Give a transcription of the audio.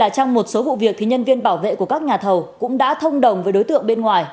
cũng đã thông đồng với đối tượng bên ngoài